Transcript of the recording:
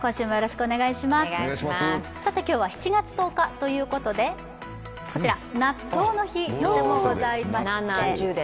さて今日は７月１０日ということでこちら納豆の日でもございまして。